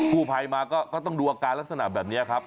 ผู้ภัยมาก็ต้องดูอาการลักษณะแบบนี้ครับ